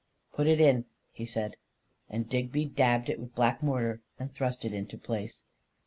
11 Put it in! " he said; and Digby dabbed it with the black mortar and thrust it into place.